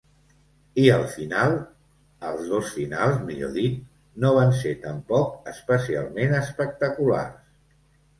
I el final –els dos finals, millor dit–, no van ser tampoc especialment espectaculars.